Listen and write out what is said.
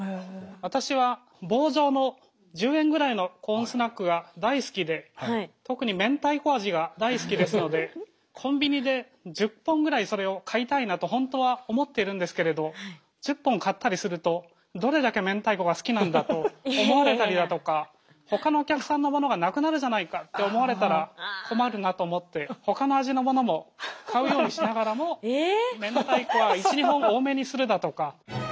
私は棒状の１０円ぐらいのコーンスナックが大好きで特にめんたいこ味が大好きですのでコンビニで１０本ぐらいそれを買いたいなと本当は思ってるんですけれど１０本買ったりするとどれだけめんたいこが好きなんだと思われたりだとかほかのお客さんのものがなくなるじゃないかって思われたら困るなと思ってほかの味のものも買うようにしながらもめんたいこは１２本多めにするだとか。